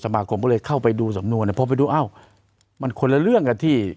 มันคนละเรื่องที่